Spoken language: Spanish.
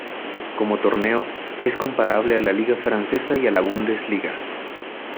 Como torneo, es comparable a la liga francesa y a la Bundesliga.